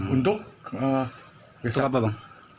untuk apa bang